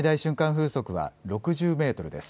風速は６０メートルです。